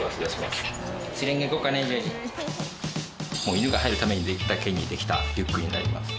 犬が入るためだけにできたリュックになります。